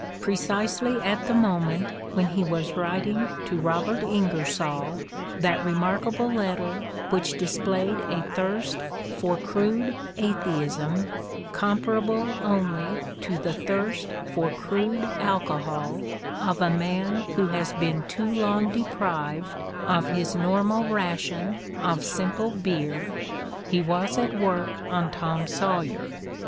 Precisely at the moment when he was writing to Robert IngersoU that remark able letter which displayed a thirst for crude atheism comparable only to the thirst for crude alcohol of a man who has been too long deprived of his normal ration of simple beer, he was at work on "Tom Saw yer."